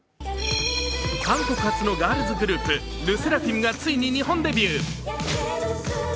韓国発のガールズグループ、ＬＥＳＳＥＲＡＦＩＭがついに日本デビュー。